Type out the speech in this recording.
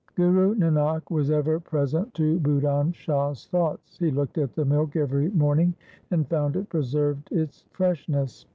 Guru Nanak was ever present to Budhan Shah's thoughts. He looked at the milk every morning and found it preserved its freshness.